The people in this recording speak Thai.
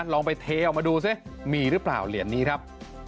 ลองไปเทออกมาดูซิมีหรือเปล่าเหรียญนี้ครับ